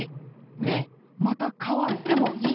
ねえまたかわってもいい？」。